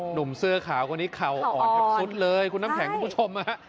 หนุ่มเสื้อขาวคนนี้เข่าอ่อนแทบสุดเลยคุณน้ำแข็งคุณผู้ชมฮะ